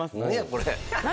これ。